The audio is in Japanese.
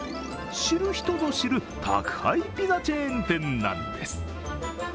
知る人ぞ知る宅配ピザチェーン店なんです。